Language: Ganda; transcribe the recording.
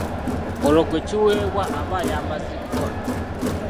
Olwo gwe kiweebwa aba ayambaziddwa.